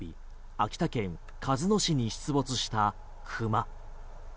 秋田県鹿角市に出没した熊。